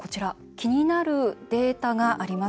気になるデータがあります。